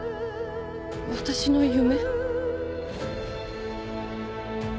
私の夢？